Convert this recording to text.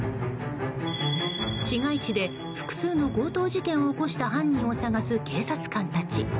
市街地で、複数の強盗事件を起こした犯人を捜す警察官たち。